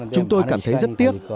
chúng tôi cảm thấy rất tiếc